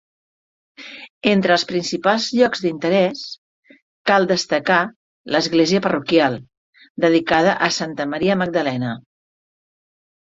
Entre els principals llocs d’interès, cal destacar l’església parroquial, dedicada a Santa Maria Magdalena.